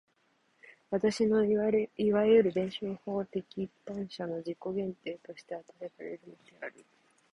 私のいわゆる弁証法的一般者の自己限定として与えられるのである。